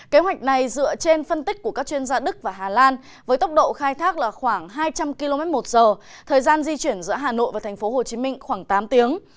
kế hoạch này dựa trên phân tích của các chuyên gia đức và hà lan với tốc độ khai thác là khoảng hai trăm linh km một giờ thời gian di chuyển giữa hà nội và tp hcm khoảng tám tiếng